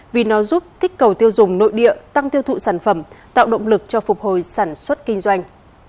vì nó giúp kích cầu tiêu dùng nội địa tăng tiêu thụ sản phẩm tạo động lực cho phục hồi sản xuất kinh doanh